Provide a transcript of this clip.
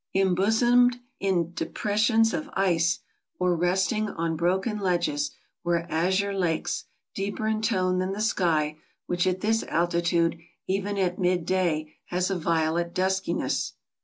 Embosomed in depres sions of ice, or resting on broken ledges, were azure lakes, deeper in tone than the sky, which at this altitude, even at midday, has a violet duskiness.